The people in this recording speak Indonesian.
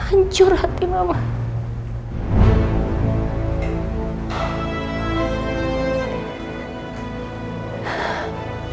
aku rasa ada yang tahu